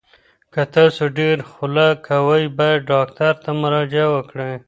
که تاسو ډیر خوله کوئ، باید ډاکټر ته مراجعه وکړئ.